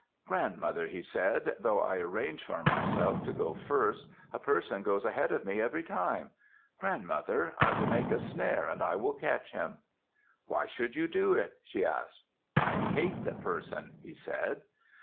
"Grandmother," he said, "though I arrange for myself to go first, a person goes ahead of me every time. Grandmother, I will make a snare and I will catch him." "Why should you do it?" she asked. "I hate the person," he said.